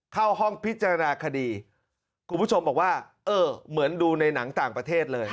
เข้าห้องพิจารณาคดีคุณผู้ชมบอกว่าเออเหมือนดูในหนังต่างประเทศเลย